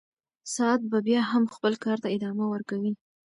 ساعت به بیا هم خپل کار ته ادامه ورکوي.